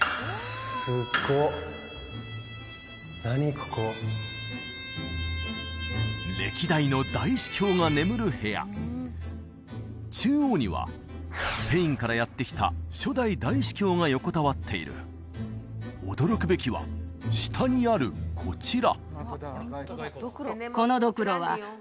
ここ歴代の大司教が眠る部屋中央にはスペインからやって来た初代大司教が横たわっている驚くべきは下にあるこちら